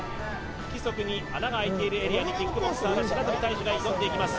不規則に穴があいているエリアにキックボクサーの白鳥大珠が挑んでいきます